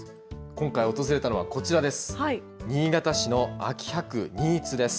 今回、訪れたのはこちらです。